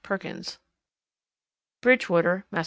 PERKINS. _Bridgewater, Mass.